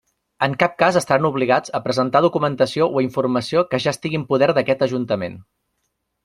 En cap cas estaran obligats a presentar documentació o informació que ja estigui en poder d'aquest Ajuntament.